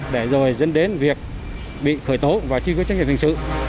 để rồi dân đến việc bị khởi tố và truy cư chức hiện hình sự